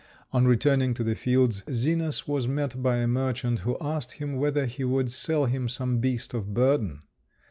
On returning to the fields, Zenas was met by a merchant, who asked him whether he would sell him some beast of burden.